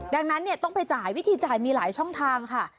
ดังนั้นต้องไปจ่ายวิธีจ่ายมีหลายช่องทางค่ะ